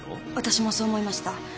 私もそう思いました。